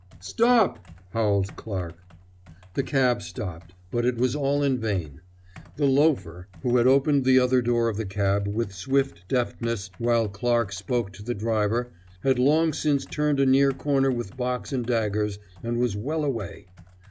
"Stop!" howled Clarke. The cab stopped, but it was all in vain. The loafer, who had opened the other door of the cab with swift deftness while Clarke spoke to the driver, had long since turned a near corner with box and daggers, and was well away.